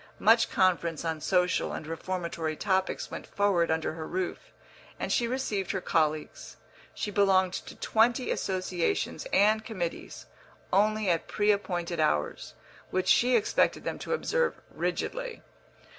Much conference on social and reformatory topics went forward under her roof, and she received her colleagues she belonged to twenty associations and committees only at pre appointed hours, which she expected them to observe rigidly.